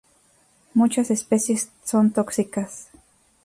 Muchas especies son tóxicas.